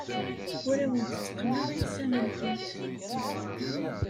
Ur awent-tteqqneɣ iysan-nwent.